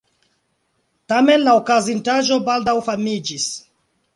Tamen la okazintaĵo baldaŭ famiĝis.